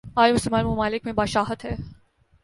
آج مسلمان ممالک میںبادشاہت ہے۔